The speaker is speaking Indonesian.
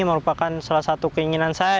merupakan salah satu keinginan saya